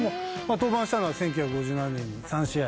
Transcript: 登板したのは１９５７年に３試合。